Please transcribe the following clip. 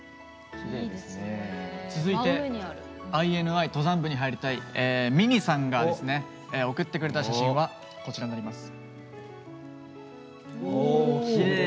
続いて、ＩＮＩ登山部に入りたいＭＩＮＩさんが送ってくれた写真は、こちらです。